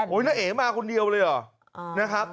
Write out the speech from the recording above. เหนียวมาคนเดียวเลยหรอ